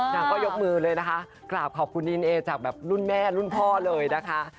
นางก็ยกมือเลยนะคะกราบขอบคุณดีเอนเอจากแบบรุ่นแม่รุ่นพ่อเลยนะคะ